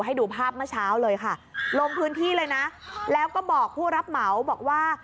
ให้ดูภาพเมื่อเช้าเลยค่ะลงพื้นที่เลยนะแล้วก็บอกผู้รับเหมาบอกว่า